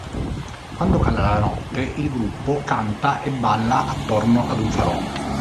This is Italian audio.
Quando cala la notte il gruppo canta e balla attorno ad un falò.